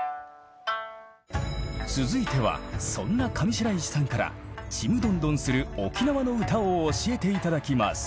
続いてはそんな上白石さんから「ちむどんどん」する沖縄の歌を教えて頂きます。